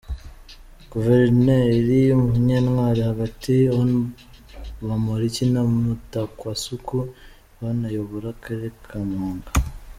Guverineri Munyentwari hagati, Hon Bamporiki na Mutakwasuku Yvonne uyobora Akarere ka Muhanga.